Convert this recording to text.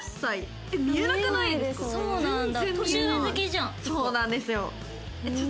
あっそうなんだ。